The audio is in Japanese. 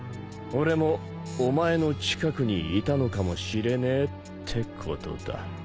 俺もお前の近くにいたのかもしれねえってことだ。